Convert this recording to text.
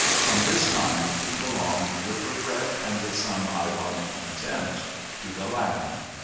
From this time he belonged, with regret and with some ironic contempt, to the land.